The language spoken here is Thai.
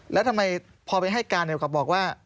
แล้วทำไมพอไปให้การกับบอกว่า